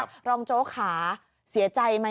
คุณผู้ชมฟังช่างปอลเล่าคุณผู้ชมฟังช่างปอลเล่า